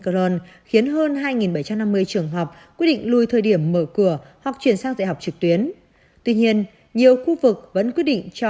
còn không c christie nguyen cho biết